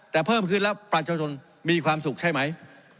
แต่เพิ่มขึ้นแล้วประชาชนมีความสุขใช่ไหม